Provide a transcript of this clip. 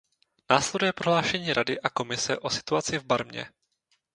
Následuje prohlášení Rady a Komise o situaci v Barmě.